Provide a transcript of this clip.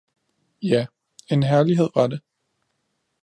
Ja, en herlighed var det